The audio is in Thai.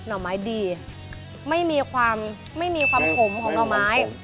หน่อไม้ดีไม่มีความขมของหน่อไม้